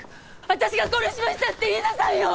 私が殺しましたって言いなさいよ！